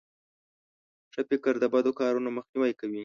ښه فکر د بدو کارونو مخنیوی کوي.